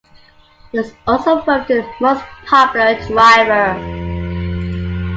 He was also voted Most Popular Driver.